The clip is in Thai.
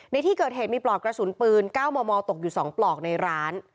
ในที่เกิดเหตุมีปลอกกระสุนปืน๙มมตกอยู่๒ปลอกในร้าน